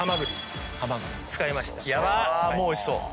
もうおいしそう。